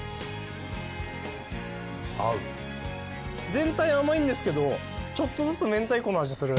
全体甘いんですけどちょっとずつめんたいこの味する。